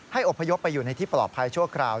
อบพยพไปอยู่ในที่ปลอดภัยชั่วคราว